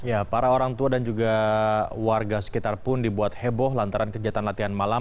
ya para orang tua dan juga warga sekitar pun dibuat heboh lantaran kegiatan latihan malam